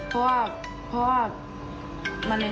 เพราะว่ามันในนี้แล้วมันยังไงมันลุกแล้ว